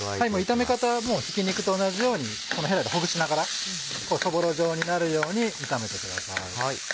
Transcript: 炒め方はひき肉と同じようにこのヘラでほぐしながらそぼろ状になるように炒めてください。